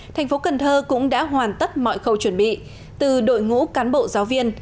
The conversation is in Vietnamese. thành phố cần thơ cũng đã hoàn tất mọi khâu chuẩn bị từ đội ngũ cán bộ giáo viên